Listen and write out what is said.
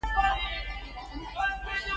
ورور به مې ورسره په عربي خبرې وکړي.